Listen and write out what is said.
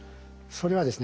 それはですね